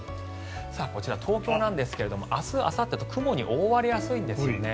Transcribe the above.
こちら東京ですが明日あさってと雲に覆われやすいんですよね。